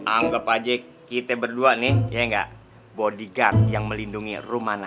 anggap aja kita berdua nih ya gak bodyguard yang melindungi rum anak